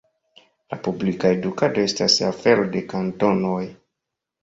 La publika edukado estas afero de kantonoj.